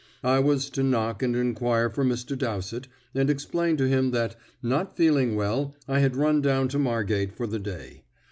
I was to knock and inquire for Mr. Dowsett, and explain to him that, not feeling well, I had run down to Margate for the day.